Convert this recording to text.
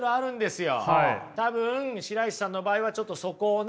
多分白石さんの場合はちょっとそこをね